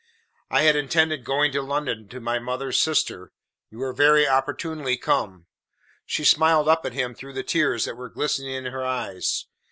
I had intended going to London to my mother's sister. You are very opportunely come." She smiled up at him through the tears that were glistening in her eyes.